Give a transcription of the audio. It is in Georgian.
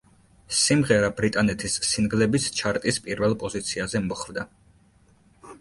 სიმღერა ბრიტანეთის სინგლების ჩარტის პირველ პოზიციაზე მოხვდა.